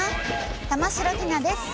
玉城ティナです。